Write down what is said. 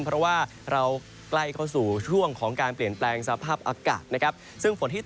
เพราะว่าเราใกล้เข้าสู่ช่วงของการเปลี่ยนแปลงสภาพอากาศ